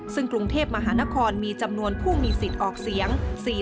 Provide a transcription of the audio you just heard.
ซึ่งกรุงเทพมหานครมีจำนวนผู้มีสิทธิ์ออกเสียง